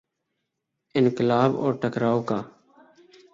انقلاب اور ٹکراؤ کا۔